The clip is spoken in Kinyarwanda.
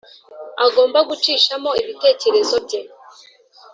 agomba gucishamo ibitekerezo bye.